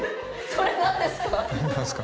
それ何ですか？